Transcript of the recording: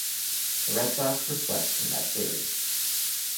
The Red Sox were swept in that series.